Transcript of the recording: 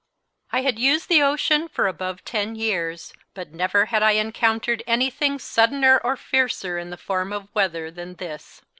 I had used the ocean for above ten years, but never had I encountered anything suddener or fiercer in the form of weather than this.